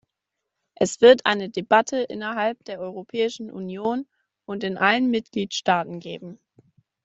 Es wird eine Debatte innerhalb der Europäischen Union und in allen Mitgliedstaaten geben.